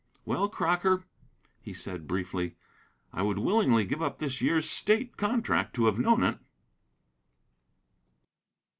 "Well, Crocker," he said briefly, "I would willingly give up this year's state contract to have known it."